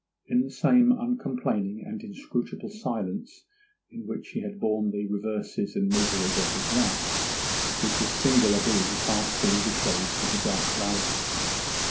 In the same uncomplaining and inscrutable silence in which he had borne the reverses and miseries of his life did this singular being pass through the shades of the dark valley.